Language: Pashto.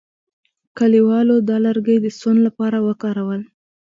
کلیوالو دا لرګي د سون لپاره وکارول.